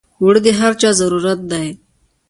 اوړه د هر چا ضرورت دی